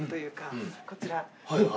こちら。